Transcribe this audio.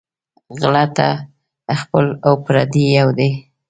غله ته خپل او پردي یو دى